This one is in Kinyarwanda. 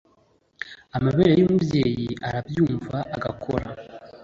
amabere y'umubyeyi arabyumva agakora